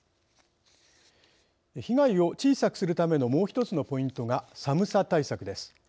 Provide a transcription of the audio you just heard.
被害を小さくするためのもうひとつのポイントが寒さ対策です。